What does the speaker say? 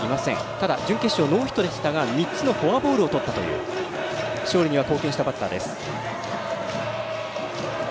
ただ、準決勝ノーヒットでしたが３つのフォアボールをとったという勝利には貢献したバッターです。